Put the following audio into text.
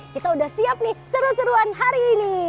kita udah siap nih seru seruan hari ini